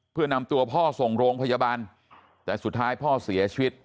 เพื่อนำตัวพ่อส่งโรงพยาบาลแต่สุดท้ายพ่อเสียชีวิต